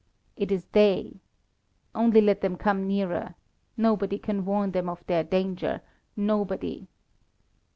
"It is they! Only let them come nearer! Nobody can warn them of their danger nobody!"